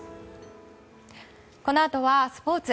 このあとはスポーツ。